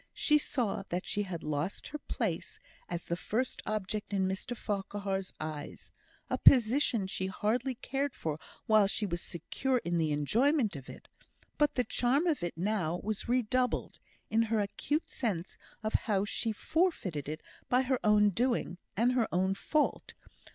She saw that she had lost her place as the first object in Mr Farquhar's eyes a position she had hardly cared for while she was secure in the enjoyment of it; but the charm of it now was redoubled, in her acute sense of how she had forfeited it by her own doing, and her own fault.